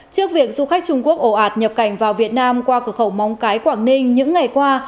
trước việc du khách trung quốc ổ ạt nhập cảnh vào việt nam qua cửa khẩu móng cái quảng ninh những ngày qua